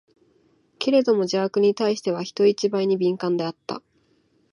けれども邪悪に対しては、人一倍に敏感であった。